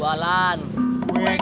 bugari kan pindah pulang